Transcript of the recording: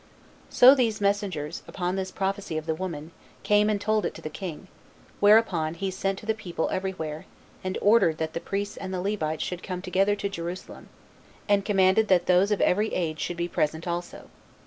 3. So these messengers, upon this prophecy of the woman, came and told it to the king; whereupon he sent to the people every where, and ordered that the priests and the Levites should come together to Jerusalem; and commanded that those of every age should be present also.